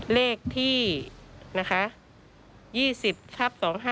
เลขที่นะ๕๔๕๙